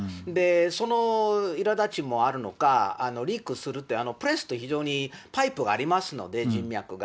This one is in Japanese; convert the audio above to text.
そのいらだちもあるのか、リークするって、プレスって非常にパイプがありますので、人脈が。